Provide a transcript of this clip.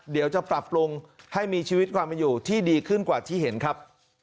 เดี๋ยวจะปรับปรุงให้มีชีวิตความเป็นอยู่ที่ดีขึ้นกว่าที่เห็นครับ